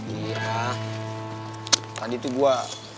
iya tadi tuh gue